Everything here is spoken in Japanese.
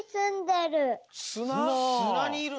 すなにいるの？